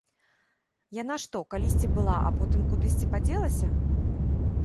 Яна што, калісьці была, а потым кудысьці падзелася?